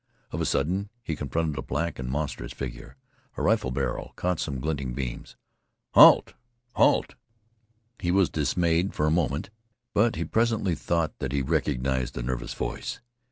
Of a sudden he confronted a black and monstrous figure. A rifle barrel caught some glinting beams. "Halt! halt!" He was dismayed for a moment, but he presently thought that he recognized the nervous voice.